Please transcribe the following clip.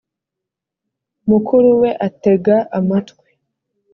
mukuru we atega amatwi